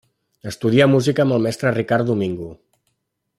Estudià música amb el mestre Ricard Domingo.